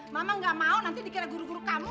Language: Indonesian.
mama gak mau nanti dikira guru guru kamu